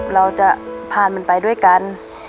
เราจะผ่านมันไปด้วยกัน